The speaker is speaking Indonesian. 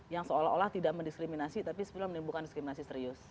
yang seolah olah tidak mendiskriminasi tapi sebenarnya menimbulkan diskriminasi serius